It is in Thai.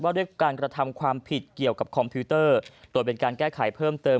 ด้วยการกระทำความผิดเกี่ยวกับคอมพิวเตอร์โดยเป็นการแก้ไขเพิ่มเติม